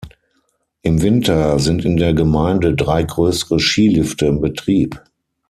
Im Winter sind in der Gemeinde drei größere Skilifte in Betrieb.